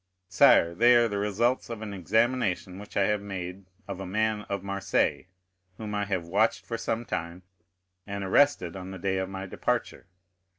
"Sire, they are the results of an examination which I have made of a man of Marseilles, whom I have watched for some time, and arrested on the day of my departure.